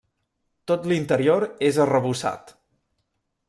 Tot l'interior és arrebossat.